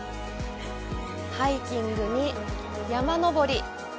ハイキングに山登り！